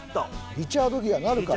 リチャード・ギアになるかな？